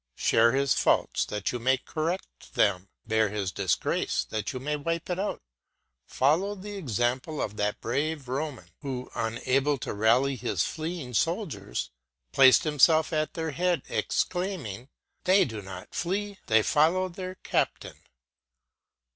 Share his faults that you may correct them, bear his disgrace that you may wipe it out; follow the example of that brave Roman who, unable to rally his fleeing soldiers, placed himself at their head, exclaiming, "They do not flee, they follow their captain!"